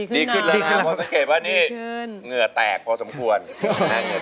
ดีขึ้นแล้วนะครับเพราะสังเกตว่านี่เหงื่อแตกพอสมควรหน้าเงิน